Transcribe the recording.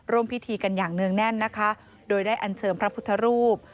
ร่วมพิธีกันแน่นด้วยได้อนเชิญพระพุทธรูป